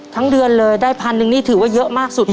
เดือนเลยได้พันหนึ่งนี่ถือว่าเยอะมากสุด